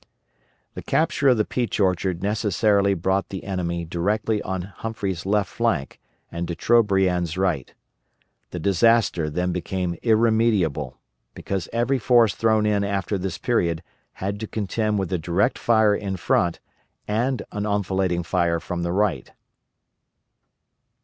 The capture of the Peach Orchard necessarily brought the enemy directly on Humphreys' left flank and De Trobriand's right. The disaster then became irremediable, because every force thrown in after this period, had to contend with a direct fire in front, and an enfilading fire from the right.